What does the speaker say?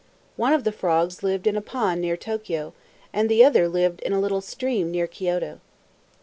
One of the frogs lived in a pond near Tokio, and the other lived in a little stream near Kioto.